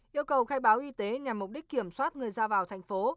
yêu cầu khai báo y tế nhằm mục đích kiểm soát người ra vào thành phố